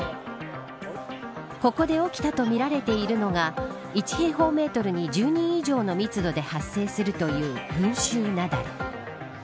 ここで起きたとみられているのが１平方メートルに１０人以上の密度で発生するという群衆雪崩。